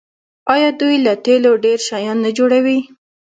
آیا دوی له تیلو ډیر شیان نه جوړوي؟